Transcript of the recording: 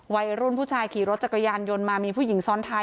วัยรุ่นผู้ชายขี่รถจักรยานยนต์มามีผู้หญิงซ้อนท้าย